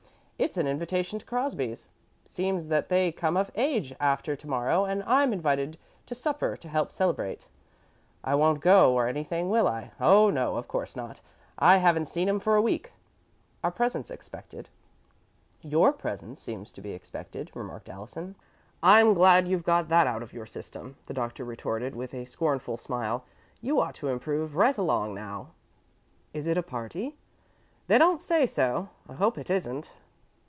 "It's an invitation to Crosby's. It seems that they come of age day after to morrow, and I'm invited out to supper to help celebrate. I won't go, or anything, will I? Oh, no, of course not! I haven't seen 'em for a week. Are presents expected?" "Your presence seems to be expected," remarked Allison. "I'm glad you've got that out of your system," the Doctor retorted, with a scornful smile. "You ought to improve right along now." "Is it a party?" "They don't say so. I hope it isn't."